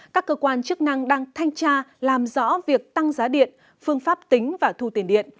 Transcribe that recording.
các cơ quan chức năng đang thanh tra làm rõ việc tăng giá điện phương pháp tính và thu tiền điện